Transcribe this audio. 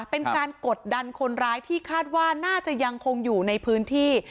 เป็นการกดดันคนร้ายที่คาดว่าน่าจะยังคงอยู่ในพื้นที่